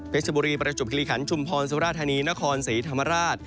ชบุรีประจบคิริขันชุมพรสุราธานีนครศรีธรรมราช